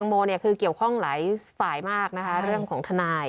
โมเนี่ยคือเกี่ยวข้องหลายฝ่ายมากนะคะเรื่องของทนาย